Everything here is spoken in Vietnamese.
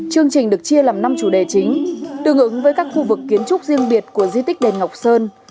chương trình được chia làm năm chủ đề chính tương ứng với các khu vực kiến trúc riêng biệt của di tích đền ngọc sơn